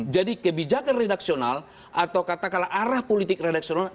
kebijakan redaksional atau katakanlah arah politik redaksional